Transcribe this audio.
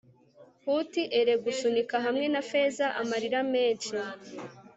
huti ere gusunika hamwe na feza amarira menshi